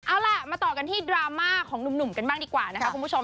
เอาล่ะมาต่อกันที่ดราม่าของหนุ่มกันบ้างดีกว่านะคะคุณผู้ชม